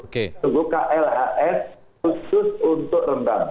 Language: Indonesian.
tunggu klhs khusus untuk rendang